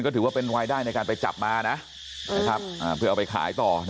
ก็ถือว่าเป็นรายได้ในการไปจับมานะเพื่อเอาไปขายต่อ